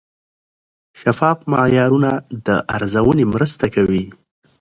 شفاف معیارونه د ارزونې مرسته کوي.